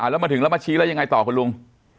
แล้วมาถึงแล้วมาชี้แล้วยังไงต่อคุณลุง